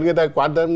người ta quan tâm